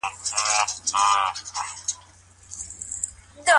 احمد شاه ابدالي څنګه د سیاسي ثبات لپاره هڅه وکړه؟